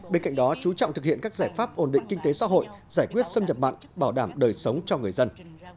bên cạnh đó chú trọng thực hiện các giải pháp ổn định kinh tế xã hội giải quyết xâm nhập mặn bảo đảm đời sống cho người dân